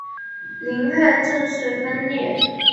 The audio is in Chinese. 宁汉正式分裂。